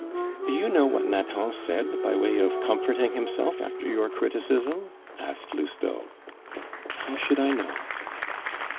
"Do you know what Nathan said by way of comforting himself after your criticism?" asked Lousteau. "How should I know?"